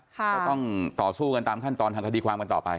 ก็ต้องต่อสู้กันตามขั้นตอนทางคดีความกันต่อไป